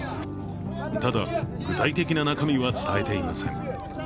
ただ、具体的な中身は伝えていません。